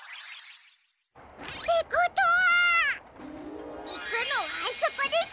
ってことはいくのはあそこですね！